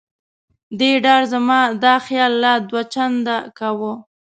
دې ډار زما دا خیال لا دوه چنده کاوه.